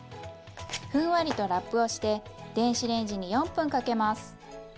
ふんわりとラップをして電子レンジに４分かけます。